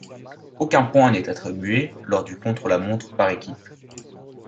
Aucun point n'est attribué lors du contre-la-montre par équipes.